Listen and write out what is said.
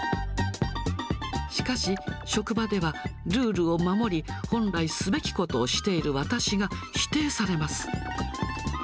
しかし、職場ではルールを守り、本来すべきことをしている私が否定されます。